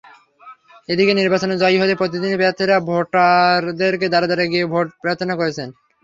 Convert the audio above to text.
এদিকে নির্বাচনে জয়ী হতে প্রতিদিনই প্রার্থীরা ভোটারদের দ্বারে দ্বারে গিয়ে ভোট প্রার্থনা করছেন।